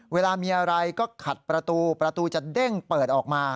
เวลามีอะไรก็ขัดประตูประตูจะเด้งเปิดออกมา